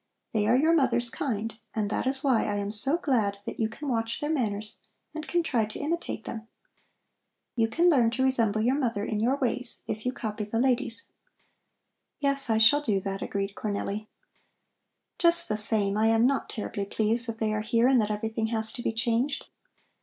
They are your mother's kind, and that is why I am so glad that you can watch their manners and can try to imitate them. You can learn to resemble your mother in your ways, if you copy the ladies." "Yes, I shall do that," agreed Cornelli. "Just the same, I am not terribly pleased that they are here and that everything has to be changed.